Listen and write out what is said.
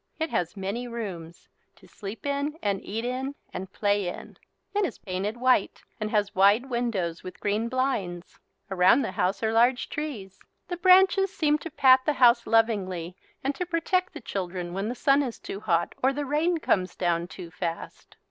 It has many rooms to sleep in and eat in and play in. It is painted white and has wide windows with green blinds. Around the house are large trees. The branches seem to pat the house lovingly and to protect the children when the sun is too hot or the rain comes down too fast.